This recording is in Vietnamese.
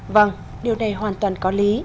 vâng điều này hoàn toàn có lý